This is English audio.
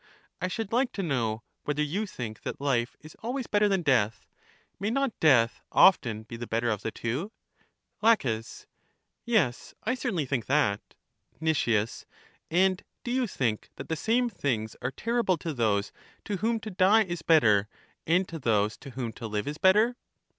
I should like to know whether you think that hf e is always better than death. May not death often be the better of the two? La. Yes, I certainly think that. Nic, And do you think that the same things are terrible to those to whom to die is better, and to those to whom to live is better?